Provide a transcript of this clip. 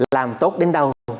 làm tốt đến đâu